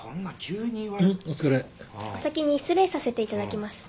お先に失礼させていただきます。